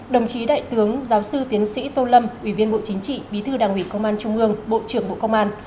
đồng chí đại tướng giáo sư tiến sĩ tô lâm ủy viên bộ chính trị bí thư đảng ủy công an trung ương bộ trưởng bộ công an